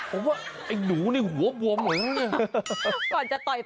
ผมว่าไอ้หนูหนูหัวบวมเหมือนกันเนี่ย